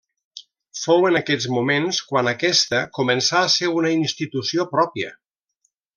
Fou en aquests moments quan aquesta començà a ser una institució pròpia.